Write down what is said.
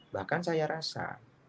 bahkan saya rasa